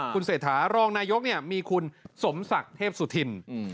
คุณเศรษฐารองนายกมีคุณสมศักดิ์เทพสุธิน